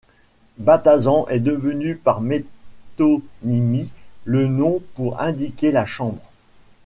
Batasan est devenu par métonymie le nom pour indiquer la Chambre.